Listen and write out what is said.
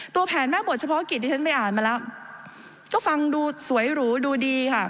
แผนแม่บทเฉพาะกิจที่ฉันไปอ่านมาแล้วก็ฟังดูสวยหรูดูดีค่ะ